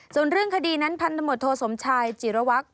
ส่วนเรื่องคดีนั้นพันธมตโทสมชายจิรวัตร